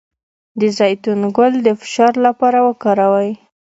د زیتون ګل د فشار لپاره وکاروئ